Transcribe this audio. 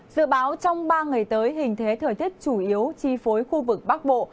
dự báo trong ba ngày tới hình thế thời tiết chủ yếu chi phối khu vực bắc bộ